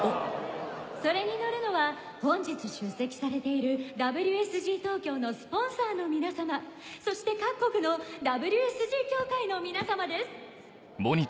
それに乗るのは本日出席されているＷＳＧ東京のスポンサーの皆様そして各国のＷＳＧ協会の皆様です！